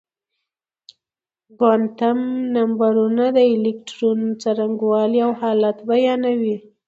کوانتم نمبرونه د الکترون څرنګوالی او حالت بيانوي.